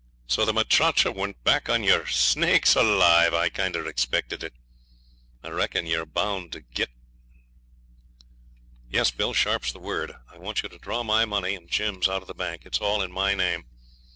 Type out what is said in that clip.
So the muchacha went back on yer snakes alive! I kinder expected it. I reckon you're bound to git.' 'Yes, Bill, sharp's the word. I want you to draw my money and Jim's out of the bank; it's all in my name.